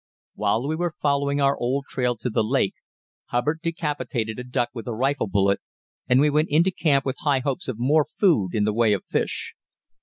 While we were following our old trail to the lake, Hubbard decapitated a duck with a rifle bullet, and we went into camp with high hopes of more food in the way of fish.